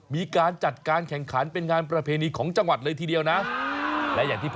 มีใครให้เก่งกว่านี้ไหมว่ามาสิ